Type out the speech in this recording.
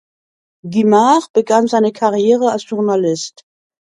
Guimard begann seine Karriere als Journalist.